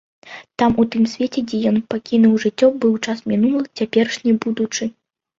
Там, у тым свеце, дзе ён пакінуў жыццё, быў час мінулы, цяперашні, будучы.